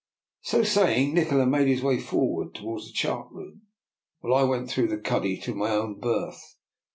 So saying, Nikola made his way forward towards the chart room, while I went through the cuddy to my own berth.